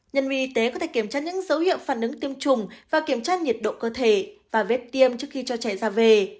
nhân viên y tế có thể kiểm tra những dấu hiệu phản ứng tiêm chủng và kiểm tra nhiệt độ cơ thể và vết tiêm trước khi cho trẻ ra về